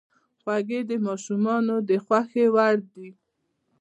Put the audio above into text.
خوږې د ماشومانو د خوښې وړ دي.